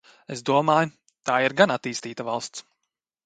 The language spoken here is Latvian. Es domāju, tā ir gan attīstīta valsts.